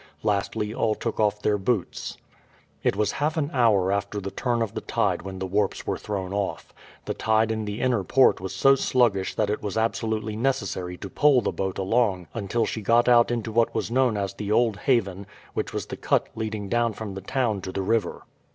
Lastly, all took off their boots. It was half an hour after the turn of the tide when the warps were thrown off. The tide in the inner port was so sluggish that it was absolutely necessary to pole the boat along until she got out into what was known as the Old Haven, which was the cut leading down from the town to the river.